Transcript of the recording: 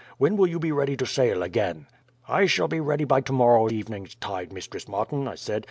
When will you be ready to sail again?" "'I shall be ready by tomorrow evening's tide, Mistress Martin,' I said.